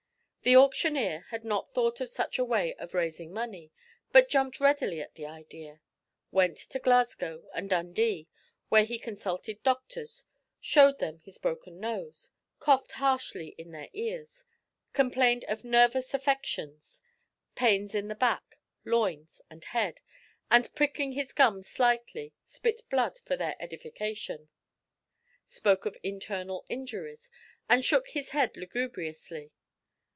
The auctioneer had not thought of such a way of raising money, but jumped readily at the idea; went to Glasgow and Dundee, where he consulted doctors showed them his broken nose, coughed harshly in their ears, complained of nervous affections, pains in the back, loins, and head, and, pricking his gums slightly, spit blood for their edification; spoke of internal injuries, and shook his head lugubriously.